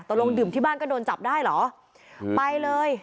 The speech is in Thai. ลงดื่มที่บ้านก็โดนจับได้เหรอไปเลย